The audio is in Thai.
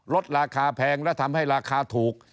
ลดราคาแพงและทำให้ราคาถูก